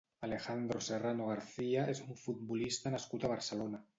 Alejandro Serrano García és un futbolista nascut a Barcelona.